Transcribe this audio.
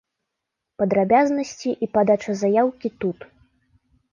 Падрабязнасці і падача заяўкі тут.